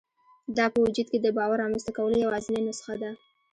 دا په وجود کې د باور رامنځته کولو یوازېنۍ نسخه ده